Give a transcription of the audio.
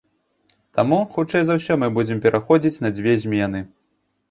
Таму, хутчэй за ўсё, мы будзем пераходзіць на дзве змены.